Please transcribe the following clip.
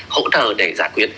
hỗ trợ để giải quyết